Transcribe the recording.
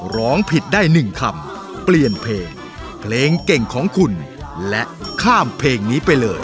ร้องผิดได้หนึ่งคำเปลี่ยนเพลงเพลงเก่งของคุณและข้ามเพลงนี้ไปเลย